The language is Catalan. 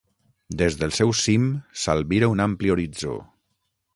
Des del seu cim s'albira un ampli horitzó.